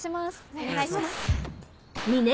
お願いします。